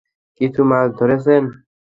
কিছু মাছ ধরেছেন?